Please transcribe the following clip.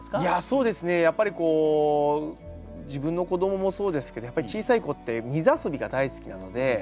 そうですねやっぱり自分の子どももそうですけどやっぱり小さい子って水遊びが大好きなので。